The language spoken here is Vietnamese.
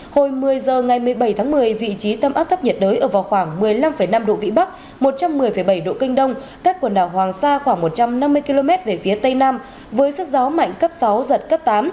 hồi một mươi h ngày một mươi bảy tháng một mươi vị trí tâm áp thấp nhiệt đới ở vào khoảng một mươi năm năm độ vĩ bắc một trăm một mươi bảy độ kinh đông các quần đảo hoàng sa khoảng một trăm năm mươi km về phía tây nam với sức gió mạnh cấp sáu giật cấp tám